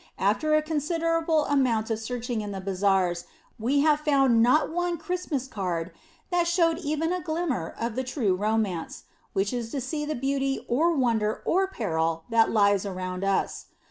After a considerable amount of searching in the bazaars we have found not one Christmas card that showed even a glimmering of the true romance, which is to see the beauty or wonder or peril that lies around us.